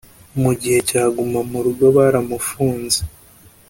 mu gihe cya guma murugo baramufunze